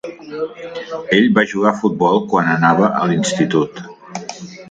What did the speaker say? Ell va jugar al futbol quan anava a l'institut.